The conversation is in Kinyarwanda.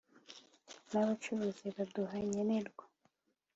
n'abacuruzi baduha nkenerwa